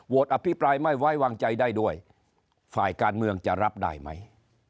อภิปรายไม่ไว้วางใจได้ด้วยฝ่ายการเมืองจะรับได้ไหม